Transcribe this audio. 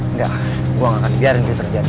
enggak gue gak akan biarin itu terjadi